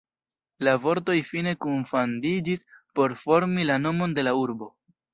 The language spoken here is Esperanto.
La vortoj fine kunfandiĝis por formi la nomon de la urbo.